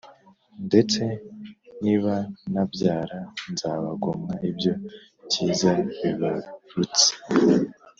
Ndetse nibanabyara, nzabagomwa ibyo byiza bibarutse.